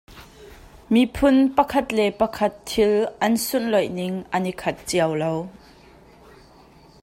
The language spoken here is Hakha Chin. Miphun pakhat le pakhat thil an sunhlawih ning an i khat cio lo.